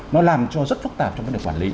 nó làm cho rất phức tạp trong vấn đề quản lý